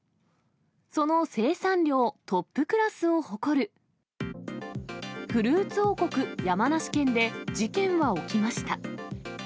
その生産量トップクラスを誇る、フルーツ王国、山梨県で、事件は起きました。